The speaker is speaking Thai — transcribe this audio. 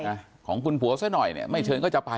ร่วมงานวิวาของคุณสามีสักหน่อยไม่เชิญก็จะไป